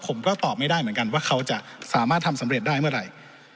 ผมก็ตอบไม่ได้เหมือนกันว่าเขาจะสามารถทำสำเร็จได้เมื่อไหร่